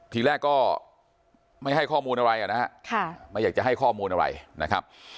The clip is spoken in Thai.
ทีแรกก็ไม่ให้ข้อมูลอะไรนะฮะไม่อยากจะให้ข้อมูลอะไรนะครับ